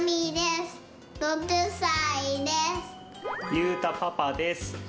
ゆうたパパです。